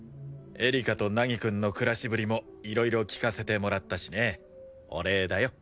エリカと凪くんの暮らしぶりもいろいろ聞かせてもらったしねお礼だよ。